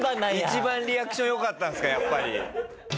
一番リアクション良かったんですかやっぱり。